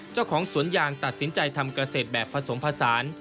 เจ้าของสวนยางตัดสินใจทำเกษตรแบบผสมผสาน